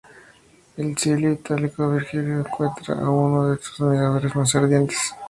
En Silio Itálico, Virgilio encuentra a uno de sus admiradores más ardientes.